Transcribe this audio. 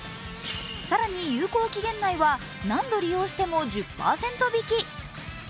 更に有効期限内は何度利用しても１０％引き。